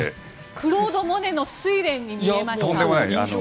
クロードモネの「睡蓮」に見えました。